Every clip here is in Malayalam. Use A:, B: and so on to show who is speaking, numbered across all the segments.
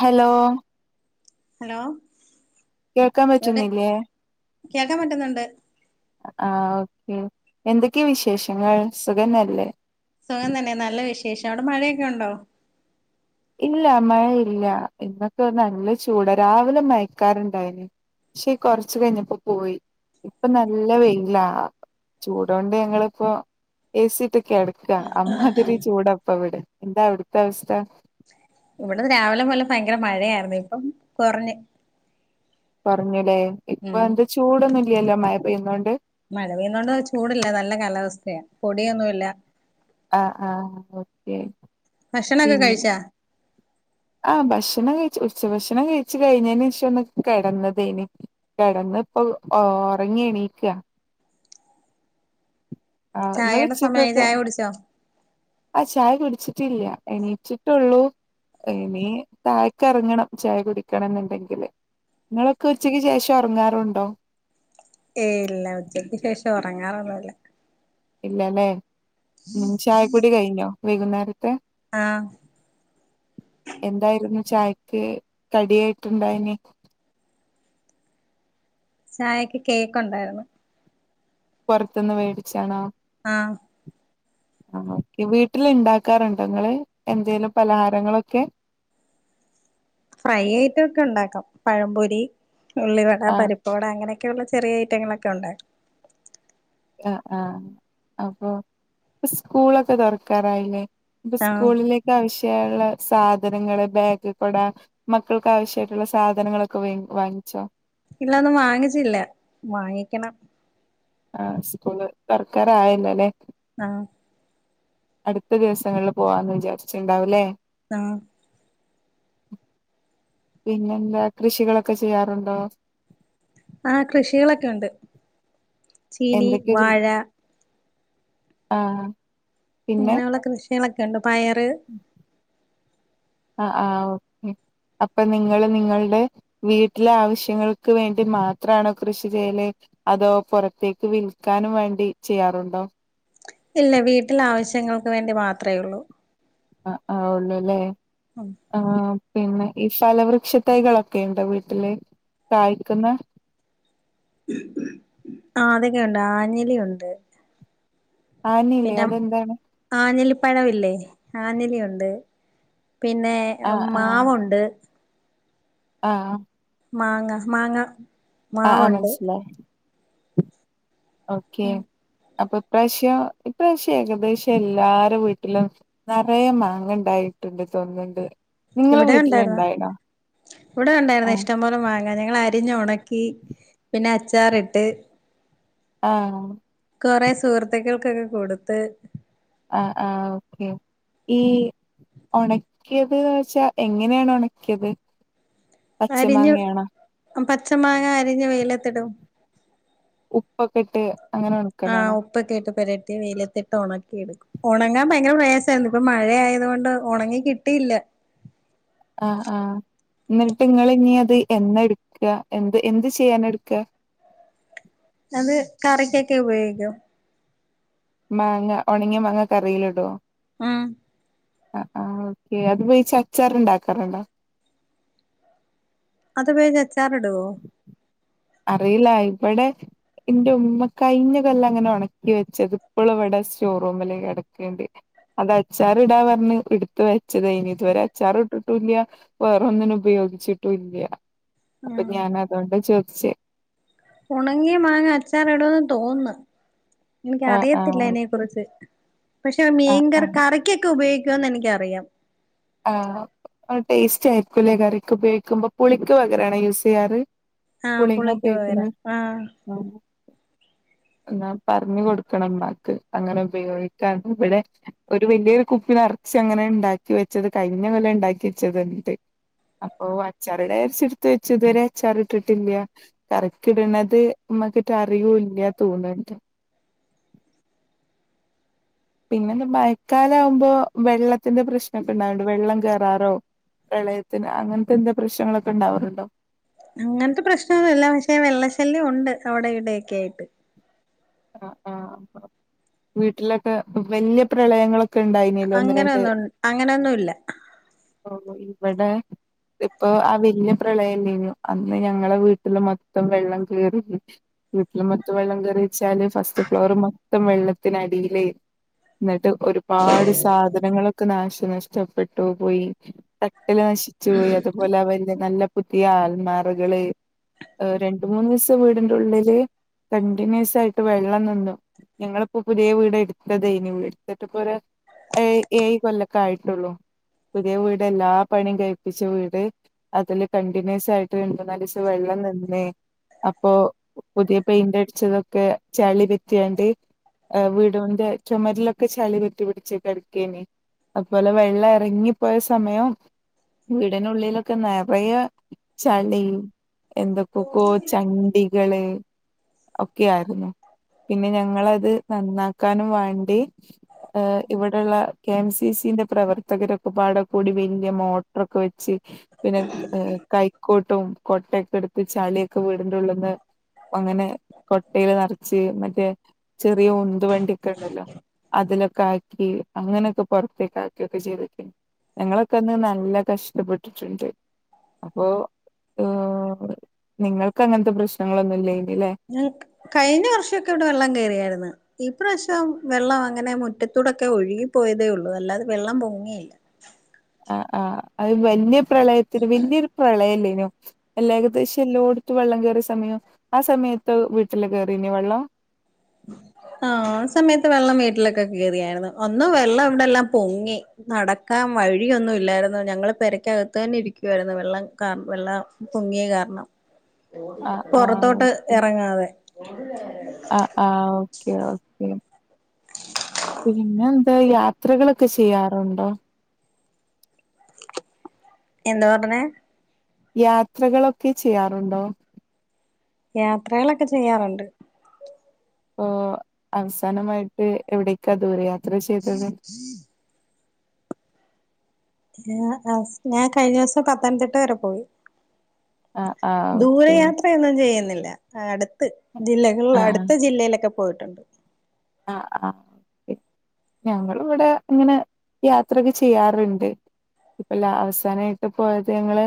A: ഹലോ
B: ഹലോ
A: കേൾക്കാൻ
B: എവിടെ
A: പറ്റുന്നില്ലേ
B: കേൾക്കാൻ പറ്റുന്നുണ്ട്
A: ആഹ് ഒ ക്കേ എന്തൊക്കെയാ വിശേഷങ്ങൾ സുഖന്നല്ലേ
B: സുഖം തന്നെ നല്ല വിശേഷം അവിടെ മഴയൊക്കെ ഉണ്ടോ
A: ഇല്ല മഴയില്ല ഇന്നൊക്കെ നല്ല ചൂടാ രാവിലെ മയക്കാറ്ണ്ടായിന് പക്ഷെ കൊറച്ച് കഴിഞ്ഞപ്പോ പോയി ഇപ്പൊ നല്ല വെയില ചൂടൊണ്ട് ഞങ്ങളിപ്പോ എസിട്ട് കെട ക്ക അമ്മാതിരി ചൂടാ ഇപ്പവിടെ എന്താ അവിടത്തെ അവസ്ഥ
B: ഇവിടുന്ന് രാവിലെ മുതൽ ഭയങ്കര മഴയായിരുന്നു ഇപ്പം കുറഞ്ഞ്
A: കുറഞ്ഞുലേ
B: ഉം
A: പെയ്യുന്നോണ്ട്
B: മഴ പെയ്യുന്നോണ്ട് ചൂടില്ല നല്ല കാലാവസ്ഥയാ പൊടിയൊന്നുല്ല
A: ആ ആ ഓക്കെ
B: ഭക്ഷണൊക്കെ
A: പിന്
B: കഴിച്ചാ
A: ആ ഭക്ഷണം കഴി ഉച്ചഭക്ഷണം കഴിച്ചു കഴിഞ്ഞതിന് ശേഷം ഒന്ന് കെടന്നതേന് കിടന്ന് ഇപ്പൊ ഉറങ്ങി എണീക്കാ നിങ്ങള്
B: ചായയുടെ സമയായി
A: ഉച്ചക്കൊക്കെ
B: ചായ കുടിച്ചോ
A: ആഹ് ചായ കുടിച്ചിട്ടില്ല എണീച്ചിട്ടുള്ളൂ ഇനി താഴ്ക്ക് ഇറങ്ങണം ചായ കുടിക്കണം എന്നുണ്ടെങ്കില് നിങ്ങളൊക്കെ ഉച്ചയ്ക്ക് ശേഷം ഒറങ്ങാറുണ്ടോ
B: ഏയ് ഇല്ല ഉച്ചക്ക് ശേഷം ഉറങ്ങാറോന്നുല്ല
A: ഇല്ലല്ലേ ഉം ചായക്കുടി കഴിഞ്ഞോ വൈകുന്നേരം
B: ആഹ്
A: [unintelligible] എന്തായിരുന്നു ചായക്ക് കടിയായിട്ടുണ്ടായിന്
B: ചായക്ക് കേക്കോണ്ടായിരുന്നു
A: പുറത്തുന്ന് മേടിച്ചാണോ
B: ആഹ്
A: ആഹ് ഓക്കെ വീട്ടിൽ ഉണ്ടാക്കാറുണ്ടങ്ങള് എന്തെലും പലഹാരങ്ങളൊക്കെ
B: ഫ്രൈ ഐറ്റോക്കെ ഉണ്ടാക്കാം പഴംപൊരി ഉള്ളിവട
A: ആഹ്
B: പരിപ്പുവട അങ്ങനെയൊക്കെള്ള ചെറിയ ഐറ്റങ്ങള് ക്കെ ഉണ്ടാ
A: ആ ആ അപ്പൊ സ്കൂളൊക്കെ തുറക്കാറായില്ലേ ഇപ്പൊ
B: ആഹ്
A: സ്കൂളിലേക്കവശ്യം ള്ള സാധനങ്ങള് ബാഗ് കൊട മക്കൾക്ക് ആവശ്യമായിട്ടുള്ള സാധനങ്ങളൊക്കെ വ വാങ്ങിച്ചോ
B: ഇല്ല ഒന്നും വാങ്ങിച്ചില്ല വാങ്ങിക്കണം
A: ആ സ്കൂള് തോറക്കറയല്ലോലെ
B: ആ
A: അടുത്ത ദിവസങ്ങളിൽ പോവാന്ന് വിചാരിച്ചിണ്ടാവൂലേ
B: ആ
A: പിന്നെന്താ കൃഷികളൊക്കെ ചെയ്യാറുണ്ടോ
B: ആ കൃഷികളൊക്കെ ഉണ്ട് ചീനി വാഴ
A: ആ
B: അങ്ങനെയുള്ള കൃഷികളക്കെ [unintelligible] പയറ്
A: ആ ആ ഓ അപ്പൊ നിങ്ങൾ നിങ്ങൾടെ വീട്ടിലെ ആവശ്യങ്ങൾക്ക് വേണ്ടി മാത്രണോ കൃഷി ചെയ്യല് അതോ പുറത്തേക്ക് വിൽക്കാനും വേണ്ടി ചെയ്യാറുണ്ടോ
B: ഇല്ല വീട്ടിൽ ആവശ്യം ഞങ്ങൾക്ക് വേണ്ടി മാത്രേള്ളൂ
A: അ ആ ഒളില്ലേ ആ പിന്നെ ഈ ഫലവൃക്ഷ തൈകളൊക്കെയുണ്ടോ വീട്ടില് കായ്ക്കുന്ന
B: ആ അതൊക്കെ ഉണ്ട് ആഞ്ഞലിയുണ്ട്
A: ആനിയില്ലേ
B: പിന്നെ
A: അതെന്താണ്
B: ആഞ്ഞിലിപ്പഴമില്ലേ ആഞ്ഞിലി ഒണ്ട് പിന്നെ മാവുണ്ട്
A: ആ ആ
B: മാങ്ങ മാങ്ങ
A: ആ ആ
B: മാവുണ്ട്
A: മനസ്സിലായി ഓക്കെ അപ്പൊ ഇപ്രാവശ്യം ഇപ്രാവശ്യം ഏകദേശം എല്ലാരും വീട്ടിലും നെറയെ മാങ്ങ ഉണ്ടായിട്ടുണ്ട് തോന്നുണ്ട്
B: ഇവിടെ ഉണ്ടായിരുന്ന ഇവിടെ ഉണ്ടായിരുന്ന
A: ആഹ്
B: ഇഷ്ടം പോലെ മാങ്ങ ഞങ്ങൾ ആരിഞ്ഞ് ഉണക്കി പിന്നെ അച്ചാറിട്ട്
A: ആ
B: കൊറേ സുഹൃത്തുക്കൾക്കൊക്കെ കൊടുത്ത്
A: ആ ആ ഓക്കെ ഈ ഒണക്കിയത് വച്ചാ എങ്ങനെയാണ് ഒണക്കിയത്
B: അരിഞ്ഞ്
A: പച്ചമാങ്ങയാണോ
B: പച്ച മാങ്ങ അരിഞ്ഞ് വെയിലത്തിടും
A: ഉപ്പൊക്കെട്ട്
B: ആഹ് ഉപ്പക്കെട്ട് പെര വെയിലത്തിട്ട് ഉണക്കി എടുക്കും ഉണങ്ങാൻ ദയങ്കര പ്രയാസമായിരുന്നു ഇപ്പൊ മഴയായതോണ്ട് ഉണങ്ങി കിട്ടിയില്ല
A: ആ ആ എന്നിട്ട് ഇങ്ങള് ഇനി അത് എന്നെടുക്ക എന്ത് എന്ത് ചെയ്യാനെടുക്ക
B: അത് കറിക്കൊക്കെ ഉപയോഗിക്കും
A: മാങ്ങ ഉണങ്ങിയ മാങ്ങ കറിൽ ഇടോ
B: ആ
A: ആ ആ ഓക്കെ അതിപയേച്ച് അച്ചാർ ഉണ്ടാക്കാറുണ്ടോ
B: അത് ഉപയേച്ച് അച്ചാറിടോ
A: അറിയില്ല ഇവിടെ എന്റെ ഉമ്മ കഴിഞ്ഞ കൊല്ല അങ്ങനെ ഉണക്കി വെച്ചത് ഇപ്പളവിടെ ഷോറൂമില് കിടക്കേണ്ട് അത് അച്ചാർ ഇടാൻ പറഞ്ഞ് എടുത്ത് വെച്ചതേനി ഇതുവരെ അച്ചാർ ഇട്ടിട്ടുല്ല്യാ വേറൊന്നിനും ഉപയോഗിച്ചിട്ടും ഇല്ല അപ്പൊ ഞാൻ അതൊണ്ട ചോദിച്ചേ
B: ഉണങ്ങിയ മാങ്ങ അച്ചാർ ഇടുന്ന് തോന്ന് എനിക്ക്
A: ആഹ്
B: അറിയത്തില്ല
A: ആഹ്
B: അയിനെ കുറിച്ച് പക്ഷെ മീൻങ്കർ
A: ആഹ്
B: കറിക്കൊക്കെ ഉപയോഗിക്ക [unintelligible] എനിക്കറിയാം
A: ആ അഹ് ടേസ്റ്റ് ആയിരിക്കൂല്ലേ കറിക്ക് ഉപയോഗിക്കുമ്പോ പുളിക്ക് പകരാണോ യൂസെയ്യാറ്
B: ആഹ്
A: പുളിങ്ങ
B: പുളിക്ക്
A: പേക്കന്ന്
B: പകരം ആഹ്
A: ആ എന്നാ പറഞ്ഞു കൊടുക്കണം ഇമ്മാക് അങ്ങനെ ഉപയോഗിക്കാൻ ഇവിടെ ഒരു വലിയൊരു കുപ്പി നർച് അങ്ങനെ ഉണ്ടാക്കി വെ ചത് കഴിഞ്ഞ കൊല്ലം ഉണ്ടാക്കി വെച്ചത്ണ്ട് അപ്പൊ അച്ചാറിടെ വിചാരിച്ച് ഇട്ത്ത് വെച്ചത് ഇത് വരെ അച്ചാർ ഇട്ടിട്ടില്ല കറിക്ക് ഇടണത് ഇമ്മക്കിട്ട് അറിയൂ ഇല്ല തോന്നണ്ട് പിന്നെ ദുബായി കാലാകുമ്പോൾ വെള്ളത്തിന്റെ പ്രശനൊക്കെ ഉണ്ടാവുണ്ട് വെള്ളം കേറ പാറോ പ്രളയത്തിന് അങ്ങൻത്തെ എന്താ പ്രശ്നങ്ങളൊക്കെ ഉണ്ടാവാറുണ്ടോ
B: അങ്ങൻത്തെ പ്രശ്നങ്ങളില്ല പക്ഷെ വെള്ള ശല്യം ഉണ്ട് അവിടെ ഇവിടെൊക്കെ ആയിട്ട്
A: ആ ആ വീട്ടിലൊക്കെ വലിയ പ്രളയങ്ങളൊക് ഒക്കെ ഉണ്ടായിനല്ലോ ഒന്ന് രണ്ട്
B: ഇല്ല
A: ഓ ഇവിടെ ഇപ്പൊ ആ വലിയ പ്രളയില്യേനോ അന്ന് ഞങ്ങളെ വീട്ടില് മൊത്തം വെള്ളം കയറി വീട്ടില് മൊത്തം വെള്ളം കയറി വച്ചാല് ഫസ്റ്റ് ഫ്ലോർ മൊത്തം വെള്ളത്തിനടിയിലേ എന്നിട്ട് ഒരുപാട് സാധനങ്ങളൊക്കെ നാശനഷ്ടപ്പെട്ടു പോയി ടക് ഇല നശിച്ചു പോയി അതുപോലെ അവ നല്ല പുതിയ ആൽമാറകള് അ രണ്ട് മൂന്നീസം വീടിന്റെ ഉള്ളില് കണ്ടിന്യൂസ് ആയിട്ട് വെള്ളം നിന്നു. ഞങ്ങളിപ്പോ പുതിയ വീട് എടുത്തതെയ്ന് എടുത്തിട്ട് ഇപ്പൊ ഒരു ഏ ഏഴ് കൊല്ലക്കെ ആയിട്ടുള്ളൂ പുതിയ വീട് എല്ലാ പണിയും കഴിപ്പിച്ച വീട് അതില് കണ്ടിന്യൂസ് ആയിട്ട് രണ്ട് മൂന്നാൽ ദിവസം വെള്ളം നിന്ന് അപ്പൊ പുതിയ പെയിന്റ് അടിച്ചതൊക്കെ ചളി പെറ്റിയാണ്ട് അ വീടിന്റെ ചുമരിലൊക്കെ ചളി പറ്റി പിടിച്ച് കിടക്കെയ്ന് അതുപോലെ വെള്ള ഇറങ്ങിപ്പോയ സമയം വീടിനുള്ളിലൊക്കെ നിറയെ ചളി എന്തൊക്കൊകോ ചണ്ടി കള് ഒക്കെ ആയിരുന്നു പിന്നെ ഞങ്ങളത് നന്നാക്കാനും വാണ്ടി എ ഇവിടെള്ള കെ എം സി സിന്റെ പ്രവർ തകര് ഒക്കെപാടൊക്കെ കൂടി വലിയ മോട്ടറൊക്കെ വെച്ച് പിന്നെ കൈക്കോട്ടും കൊട്ടയൊക്കെ എടുത്ത് ചളിയൊക്കെ വീടിന്റെ ഉള്ള്ന്ന് അങ്ങനെ കൊട്ടീല് നിറച്ച് മറ്റേ ചെറിയ ഉന്ത്‌ വണ്ടി ഒക്കെ ഉണ്ടല്ലോ അതിലൊക്കെ ആക്കി അങ്ങനെയൊക്കെ പുറത്തേക്ക് ആക്കി ക്കെ ചെയ്തുവെക്ക് ഞങ്ങളൊക്കെ ഒന്ന് നല്ല കഷ്ടപ്പെട്ടിട്ടുണ്ട് അപ്പോ ഓ നിങ്ങൾക്ക് അങ്ങനത്തെ പ്രശ്നങ്ങളൊന്നും ഇല്ലേയ്
B: ഞങ്ങക് കഴിഞ്ഞ വർഷൊക്കെ ഇവിടെ വെള്ളം കെറിയാര്ന്ന് ഇപ്രാവശ്യം വെള്ളം അങ്ങനെ മുറ്റത്തൂടൊക്കെ ഒഴുകി പോയതേ ഉള്ളൂ അല്ലാതെ വെള്ളം പൊങ്ങിയില്ല
A: ആ ആ അത് വല്യ പ്രളയത്തിന് വല്യൊരു പ്രളയല്ലേനോ എല്ലാ ഏകദേശം എല്ലോട്ത്തും വെള്ളം കേറിയ സമയം ആ സമയത്ത് വീട്ടില് കേറീഞ വെള്ളം
B: ആ സമയത്ത് വെള്ളം വീട്ടിലൊക്കെ കേറിയായിരുന്നു ഒന്നും വെള്ളം ഇവിടെ എല്ലാം പൊങ്ങി നടക്കാൻ വഴിയൊന്നുംല്ലായിരുന്നു ഞങ്ങൾ പെരക്കകത്ത് തന്നെ ഇരിക്കുവായിരുന്നു വെള്ളം ക വെള്ളം പൊങ്ങിയ കാരണം പൊറത്തോട്ട് ഇറങ്ങാതെ
A: അ ആഉ കിയാഉ വെള്ളം പിന്നെ എന്താ യാത്രകളൊക്കെ ചെയ്യാറുണ്ടോ?
B: എന്താ പറഞ്ഞെ
A: യാത്രകളൊക്കെ ചെയ്യാറുണ്ടോ?
B: യാത്രകളൊക്കെ ചെയ്യാറുണ്ട്
A: ഇപ്പൊ അവസാനമായിട്ട് എവിടേക്കാ ദൂരയാ
B: ആഹ് ആ സ് ഞാൻ കഴിഞ്ഞ ദിവസം പത്തനംതിട്ട വരെ പോയി
A: ആഹ് ആഹ്
B: ദൂരെ
A: ഓക്കെ
B: യാത്രയൊന്നും ചെയ്യുന്നില് ല്ല അട്ത്ത് ജില്ലകൾ അടുത്ത ജില്ലയിലൊക്കെ പോയിട്ടുണ്ട്
A: ആ ആ ഞങ്ങളും ഇവിടെ ഇങ്ങനെ യാത്രൊക്കെ ചെയ്യാറുണ്ട് ഇപ്പ ല അവസാനമായിട്ട് പോയത് ഞങ്ങള്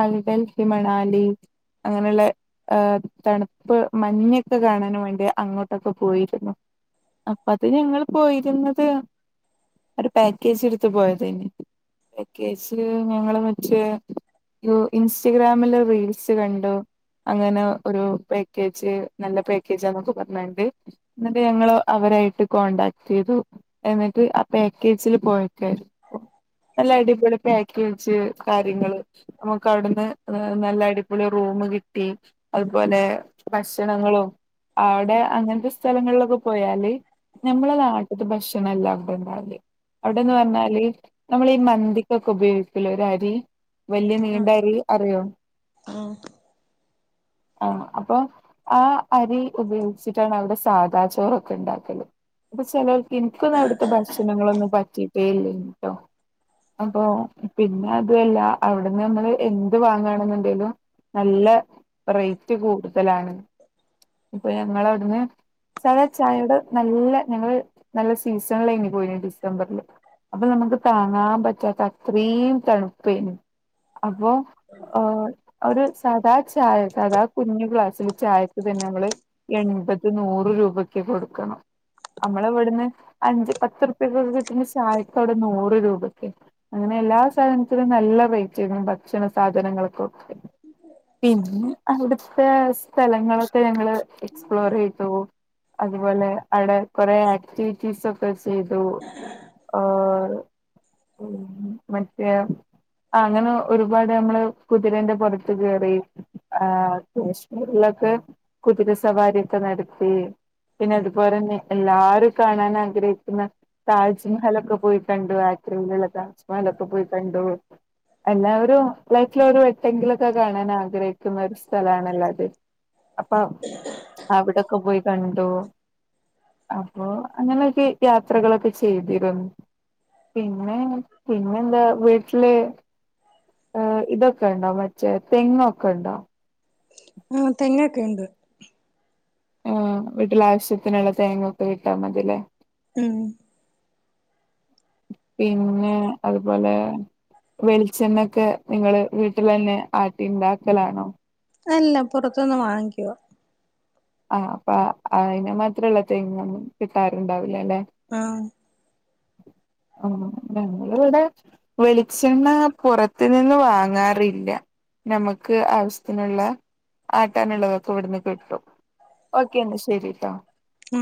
A: അൽഗൽ ഹി മണാലി അങ്ങനെയുള്ള ഏ തണുപ്പ് മഞ്ഞൊക്കെ കാണാൻ വേണ്ടി അങ്ങോട്ടൊക്കെ പോയിരുന്നു അപ്പ അത് ഞങ്ങൾ പോയിരുന്നത് ഒരു പാക്കേജ് എടുത്ത പോയതനു പാക്കേജ് ഞങ്ങള് മറ്റേ ഇൻസ്റ്റാഗ്രാമില് റീൽസ് കണ്ടു അങ്ങനെ ഒരു പാക്കേജ് നല്ല പാക്കേജന്നൊക്കെ പറഞ്ഞണ്ട് എന്നിട്ട് ഞങ്ങള് അവരായിട്ട് കോണ്ടാക്ട് ചെയ്തു എന്നിട്ട് ആ പാക്കേജിൽ പോയക്കരുന്നു നല്ല അടിപൊളി പാക്കേജ് കാര്യങ്ങള് നമുക്ക് അവിടുന്ന് നല്ല അടിപൊളി റൂം കിട്ടി അതുപോലെ ഭക്ഷണങ്ങളും അവിടെ അങ്ങനത്തെ സ്ഥലങ്ങളിലൊക്കെ പോയാല് നമ്മളെ നാട്ടത്ത് ഭക്ഷണം എല്ലാം കൂടെ ഉണ്ടാവല് അവിടെന്ന് പറഞ്ഞാല് നമ്മൾ ഈ മന്തിക്കൊക്കെ ഉപയോഗിക്കില്ല ഒരു അരി വലിയ നീണ്ട
B: ആഹ്
A: അരി അറിയോ
B: ആഹ്
A: ആഹ് അപ്പൊ ആ അരി ഉപയോഗിച്ചിട്ടാണ് അവിടെ സാധാ ചോറൊക്കെ ഉണ്ടാക്കല് അപ്പൊ ചിലർ എനിക്കൊന്നും അവിടുത്തെ ഭക്ഷണങ്ങളൊന്നും പറ്റിട്ടേ ഇല്ലേനുട്ടോ അപ്പൊ പിന്നെ അതുവല്ല അവിടുന്ന് നമ്മള് എന്ത് വാങ്ങണെന്നുണ്ടെലും നല്ല റേറ്റ് കൂടുതലാണ് ഇപ്പൊ ഞങ്ങള് അവിടുന്ന് സാധാ ചായയുടെ നല്ല ഞങ്ങള് നല്ല സീസണിലയിനി പോയിരുന്നു ഡിസംബറില് അപ്പൊ നമുക്ക് താങ്ങാൻ പറ്റാത്ത അത്രയും തണുപ്പേന് അപ്പൊ ആഹ് ഒരു സാധാ ചായ സാധാ കുഞ്ഞ് ഗ്ലാസ്സില് ചായക്ക് തന്നെ നമ്മള് എൺപത് നൂ റ് രൂപക്ക് കൊടുക്കണം നമ്മളാവിടുന്ന് അഞ്ച് പത്ത് റൂപ്യക്ക് ഒക്കെ കിട്ടുന്ന ചായക്ക് അവിടെ നൂറ് രൂപക്ക് അങ്ങനെ എല്ലാ സാധനത്തിനും നല്ല റേറ്റ് ചെയണം ഭക്ഷണ സാധനങ്ങൾക്ക് പിന്നെ അവിടുത്തെ സ്ഥലങ്ങള് ലങ്ങള് എക്സ്പ്ലോറെയ്തു അതുപോലെ അവിടെ കുറെ ആക്ടിവിറ്റീസ് ഒക്കെ ചെയ്തു ഈഹ് ഉം മറ്റേ അങ്ങനെ ഒരുപാട് നമ്മള് കുതിരന്റെ പുറത്ത് കേറി ആശ്മൂരിലൊക്കെ കുതിര സവാരിയൊക്കെ നടത്തി പിന്നെ അതുപോലന്നെ എല്ലാരും കാണാൻ ആഗ്രഹിക്കുന്ന താജ്മഹലൊക്കെ പോയി കണ്ടു ആഗ്രയിലുള്ള താജ്മഹലൊക്കെ പോയി കണ്ടു എല്ലാവരും ലൈഫില് ഒരുവട്ടം എങ്കിലൊക്കെ കാണാൻ ആഗ്രഹി ക്കുന്ന ഒരു സ്ഥലണല്ലോ അത് അപ്പൊ അവിടൊക്കെ പോയി കണ്ടു അപ്പൊ അങ്ങനെയൊക്കെ യാത്രകളൊക്കെ ചെയ്തിരുന്നു പിന്നെ പിന്നെ എന്താ വീട്ടില് ഈഹ് ഇതൊക്കെ ഉണ്ടോ മറ്റേ തെങ്ങൊക്കെ ഉണ്ടോ
B: മ്മ് തേങ്ങൊക്കെയുണ്ട്
A: ആഹ് വീട്ടില് ആവശ്യത്തിനുള്ള തേങ്ങ ഒക്കെ ഇട്ട മതില്ലേ
B: ഉം
A: പിന്നെ അതുപോലെ വെളിച്ചെണ്ണെക്കെ നിങ്ങള് വീട്ടില് തന്നെ ആട്ടി ഉണ്ടാക്കലാണോ
B: അല്ല പുറത്തൂന്ന് വാങ്ങിക്കുവാ
A: ആഹ് അപ്പ അയിനും മാത്രോള്ള തേങ്ങ ഒന്നും കിട്ടറ്ണ്ടാവില്ല അല്ലെ
B: ആഹ്
A: ഞങ്ങൾ ഇവിടെ വെളിച്ചെണ്ണ പുറത്ത് നിന്ന് വാങ്ങാറില്ല ഞമ്മക്ക് ആവശ്യത്തിനുള്ള ആട്ടാനുള്ളതൊക്കെ ഇവിടുന്ന് കിട്ടും ഓക്കെ എന്ന ശെരിട്ടോ
B: ഉം